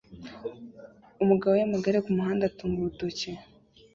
Umugabo yamagare kumuhanda atunga urutoki